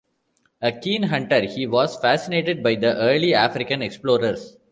A keen hunter, he was fascinated by the early African explorers.